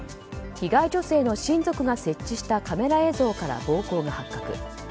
被害女性の親族が設置したカメラ映像から暴行が発覚。